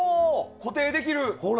固定できる。